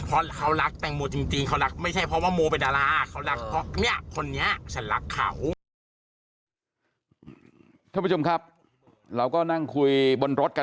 เพราะเขารักแตงโมจริงเขารัก